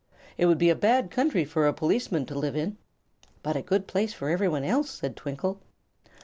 It would be a bad country for a policeman to live in." "But a good place for everyone else," said Twinkle.